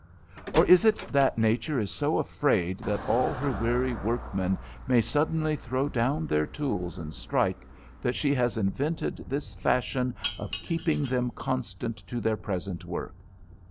Or is it that Nature is so afraid that all her weary workmen may suddenly throw down their tools and strike, that she has invented this fashion of keeping them constant to their present work?